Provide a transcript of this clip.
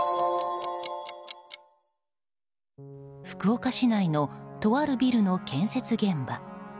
福岡市内のとあるビルの建設現場。